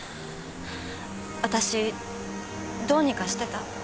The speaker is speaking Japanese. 私どうにかしてた。